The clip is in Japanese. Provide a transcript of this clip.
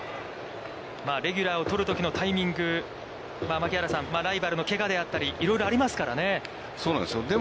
レギュラーを取るときのタイミング、槙原さん、ライバルのけがであったり、いろいろありますからね。